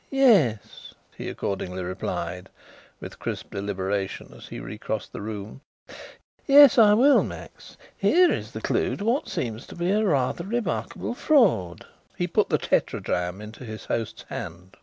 "Yes," he accordingly replied, with crisp deliberation, as he re crossed the room; "yes, I will, Max. Here is the clue to what seems to be a rather remarkable fraud." He put the tetradrachm into his host's hand.